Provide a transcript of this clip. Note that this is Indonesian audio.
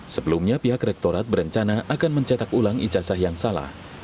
sebelumnya pihak rektorat berencana akan mencetak ulang ijazah yang salah